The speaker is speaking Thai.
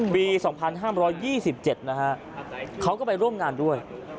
ปี๒๕๒๗นะฮะเขาก็ไปร่วมงานด้วย